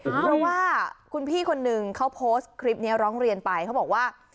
เพราะว่าคุณพี่คนนึงเขาโพสต์คลิปนี้ร้องเรียนไปเขาบอกว่า